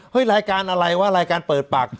รายการอะไรวะรายการเปิดปาก